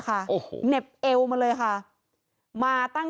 พระคุณที่อยู่ในห้องการรับผู้หญิง